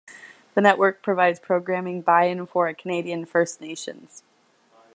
The network provides programming by and for Canadian First Nations.